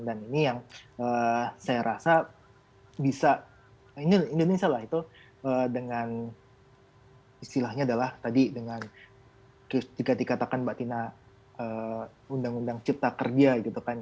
dan ini yang saya rasa bisa indonesia lah itu dengan istilahnya adalah tadi dengan jika dikatakan mbak tina undang undang cipta kerja gitu kan